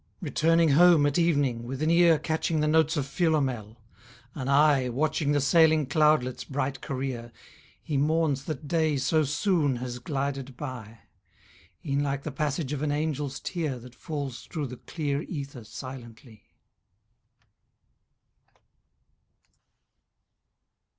Returning home at evening, with an ear Catching the notes of Philomel, an eye Watching the sailing cloudlet's bright career, He mourns that day so soon has glided by: E'en like the passage of an angel's tear That falls through the clear ether silently.